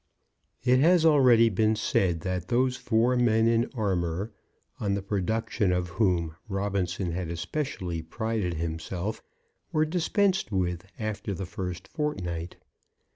It has already been said that those four men in armour, on the production of whom Robinson had especially prided himself, were dispensed with after the first fortnight.